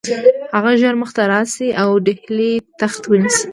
هغه ژر مخته راشي او د ډهلي تخت ونیسي.